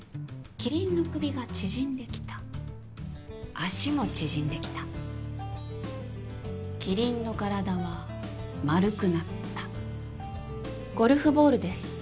キリンの首が縮んできた脚も縮んできたキリンの体は丸くなったゴルフボールです